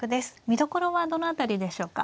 見どころはどの辺りでしょうか。